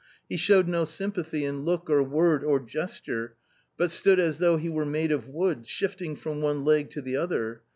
He showed no sympathy in look, or word, or gesture, but stood as though he were made of wood, shifting from one leg to the other.